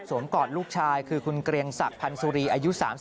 กอดลูกชายคือคุณเกรียงศักดิ์พันธ์สุรีอายุ๓๒